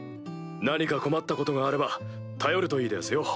何か困ったことがあれば頼るといいでやすよ。